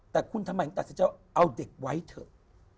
แต่คุณทำไมถึงตัดสินใจว่าเอาเด็กไว้เถอะ